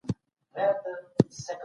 تاریخ د پخواني ادب په څېړنه کې مرسته کوي.